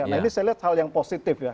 nah ini saya lihat hal yang positif ya